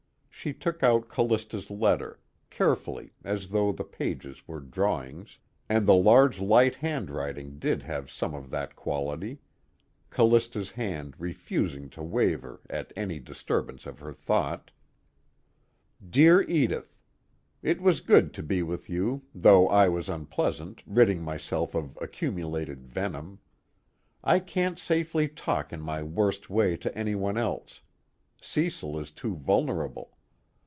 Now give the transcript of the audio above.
She took out Callista's letter, carefully as though the pages were drawings, and the large light handwriting did have some of that quality, Callista's hand refusing to waver at any disturbance of her thought: Dear Edith: It was good to be with you, though I was unpleasant, ridding myself of accumulated venom. I can't safely talk in my worst way to anyone else Cecil is too vulnerable.